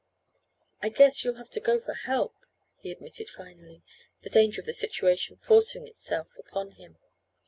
"I guess you'll have to go for help," he admitted finally, the danger of the situation forcing itself upon him.